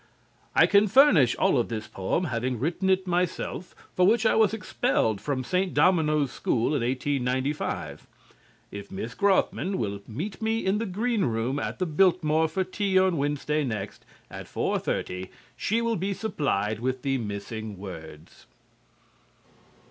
_" I can furnish all of this poem, having written it myself, for which I was expelled from St. Domino's School in 1895. If Miss Grothman will meet me in the green room at the Biltmore for tea on Wednesday next at 4:30, she will be supplied with the missing words.